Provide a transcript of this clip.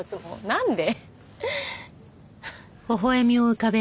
なんで？